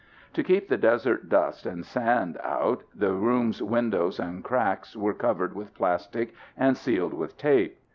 To keep the desert dust and sand out, the room's windows and cracks were covered with plastic and sealed with tape.